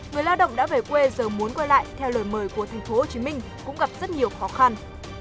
người lao động đã về quê giờ muốn quay lại theo lời mời của thành phố hồ chí minh cũng gặp rất nhiều khó khăn